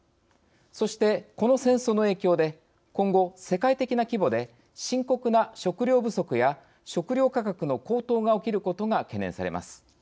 そして、この戦争の影響で今後、世界的な規模で深刻な食糧不足や食糧価格の高騰が起きることが懸念されます。